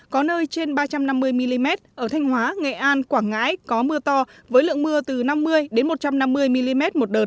có nơi trên ba trăm năm mươi mm ở thanh hóa nghệ an quảng ngãi có mưa to với lượng mưa từ năm mươi một trăm năm mươi mm một đợt